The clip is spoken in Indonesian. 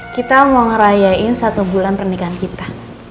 kita mau ngerayain satu bulan pernikahan kita